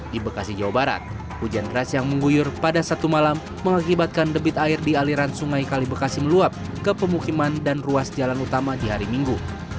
di bekasi jawa barat hujan deras yang mengguyur pada satu malam mengakibatkan debit air di aliran sungai kalibekasi meluap ke pemukiman dan ruas jalan utama di hari minggu